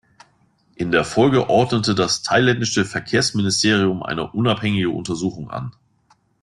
In der Folge ordnete das thailändische Verkehrsministerium eine unabhängige Untersuchung an.